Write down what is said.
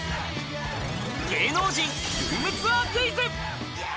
芸能人ルームツアークイズ。